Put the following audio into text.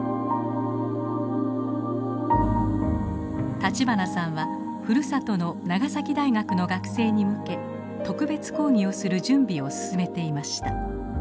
立花さんはふるさとの長崎大学の学生に向け特別講義をする準備を進めていました。